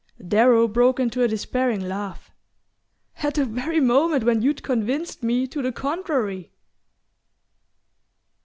Darrow broke into a despairing laugh. "At the very moment when you'd convinced me to the contrary!"